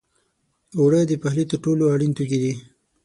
اوړه د پخلي تر ټولو اړین توکي دي